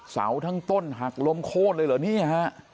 เสาทั้งต้นหักล้มโค้นเลยเหรอนี่ฮะ